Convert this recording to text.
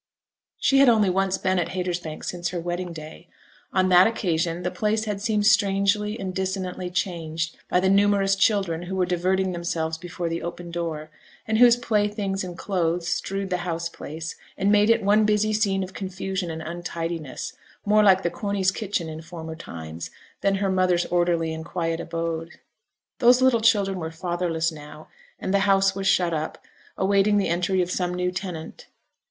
She had only once been at Haytersbank since her wedding day. On that occasion the place had seemed strangely and dissonantly changed by the numerous children who were diverting themselves before the open door, and whose playthings and clothes strewed the house place, and made it one busy scene of confusion and untidiness, more like the Corneys' kitchen in former times, than her mother's orderly and quiet abode. Those little children were fatherless now; and the house was shut up, awaiting the entry of some new tenant.